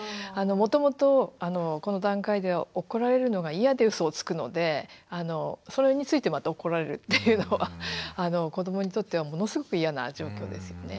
もともとこの段階では怒られるのが嫌でうそをつくのでそれについてまた怒られるっていうのは子どもにとってはものすごく嫌な状況ですよね。